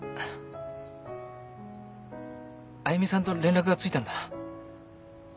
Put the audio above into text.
あゆみさんと連絡がついたんだ。